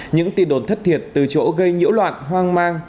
những tin đồn thất thiệt từ chỗ gây nhiễu loạn hoang mang